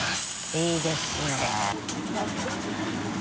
いいですね。